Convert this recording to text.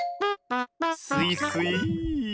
スイスイ。